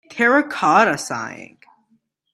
Terracotta Sighing